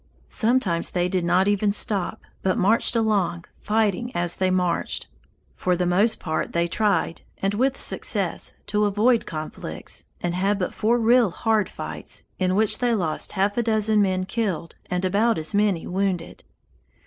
Sometimes they did not even stop, but marched along, fighting as they marched. For the most part they tried and with success to avoid conflicts, and had but four real hard fights, in which they lost half a dozen men killed and about as many wounded."